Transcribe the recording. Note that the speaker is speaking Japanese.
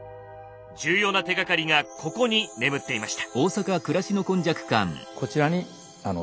重要な手がかりがここに眠っていました。